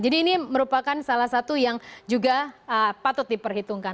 jadi ini merupakan salah satu yang juga patut diperhitungkan